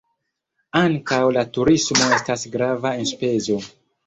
Ankaŭ la turismo estas grava enspezo.